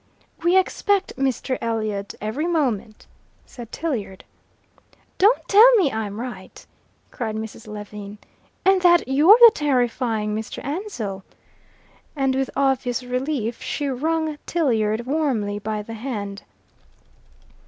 "We expect Mr. Elliot every moment," said Tilliard. "Don't tell me I'm right," cried Mrs. Lewin, "and that you're the terrifying Mr. Ansell." And, with obvious relief, she wrung Tilliard warmly by the hand.